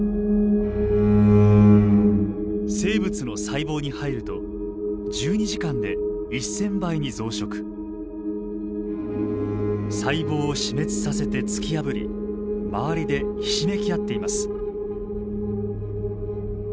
生物の細胞に入ると１２時間で細胞を死滅させて突き破り周りでひしめき合っています。